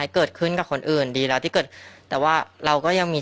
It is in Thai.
เกิดขึ้นกับคนอื่นดีแล้วที่เกิดแต่ว่าเราก็ยังมี